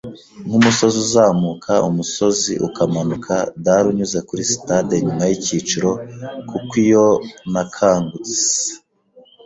nkumusozi uzamuka umusozi ukamanuka dale unyuze kuri stade nyuma yicyiciro, kuko iyo nakangutse